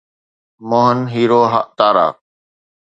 مهن hero Tara